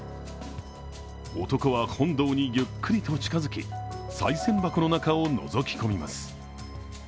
男は本堂にゆっくりと近づきさい銭箱の中をのぞき込みます。